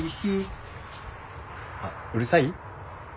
あっうるさい？